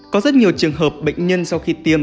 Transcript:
có rất nhiều trường hợp bệnh nhân sau khi tiêm